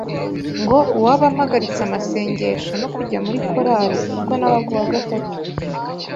ngo uwaba mpagaritse amasengesho no kujya muri korali; ubwo nabaga uwa gatatu